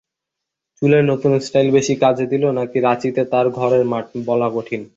চুলের নতুন স্টাইল বেশি কাজে দিল, নাকি রাঁচিতে তাঁর ঘরের মাঠ—বলা কঠিন।